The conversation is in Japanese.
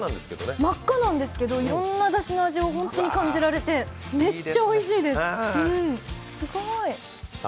真っ赤なんですけど、いろんなだしの味を感じられてめっちゃおいしいです。